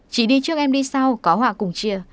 chỉ đi trước em đi sau có hòa cùng chia